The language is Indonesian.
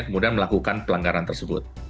kemudian melakukan pelanggaran tersebut